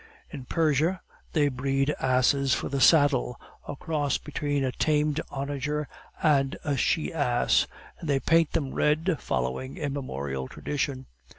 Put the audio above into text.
In Persia they breed asses for the saddle, a cross between a tamed onager and a she ass, and they paint them red, following immemorial tradition.